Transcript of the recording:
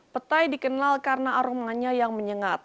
petai dikenal karena aromanya yang menyengat